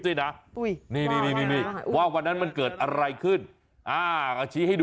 เจ้าของคลิปดี